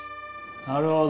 なるほど。